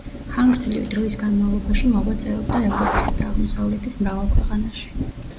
ხანგრძლივი დროის განმავლობაში მოღვაწეობდა ევროპისა და აღმოსავლეთის მრავალ ქვეყანაში.